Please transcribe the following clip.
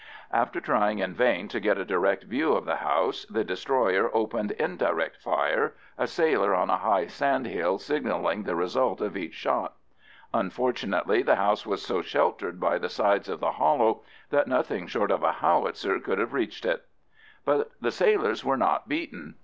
After trying in vain to get a direct view of the house, the destroyer opened indirect fire, a sailor on a high sand hill signalling the result of each shot. Unfortunately the house was so sheltered by the sides of the hollow that nothing short of a howitzer could have reached it. But the sailors were not beaten.